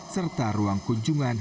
serta ruang kunjungan